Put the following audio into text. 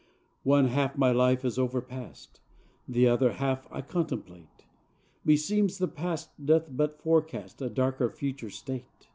One half my life is overpast; The other half I contemplate Meseems the past doth but forecast A darker future state.